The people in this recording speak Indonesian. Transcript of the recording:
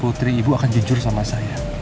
putri ibu akan jujur sama saya